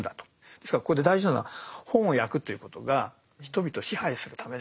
ですからここで大事なのは本を焼くっていうことが人々を支配するためだと言わないんですね。